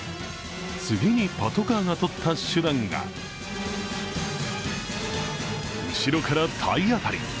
次にパトカーがとった手段が後ろから体当たり。